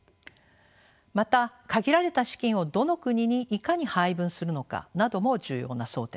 また限られた資金をどの国にいかに配分するのかなども重要な争点です。